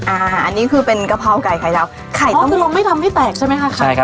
อ่าอันนี้คือเป็นกะเพราไข่ดาวไข่ก็คือเราไม่ทำให้แตกใช่ไหมค่ะ